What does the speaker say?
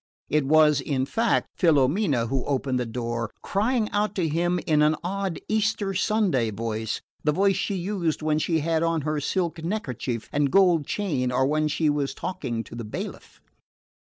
It was, in fact, Filomena who opened the door, crying out to him in an odd Easter Sunday voice, the voice she used when she had on her silk neckerchief and gold chain or when she was talking to the bailiff.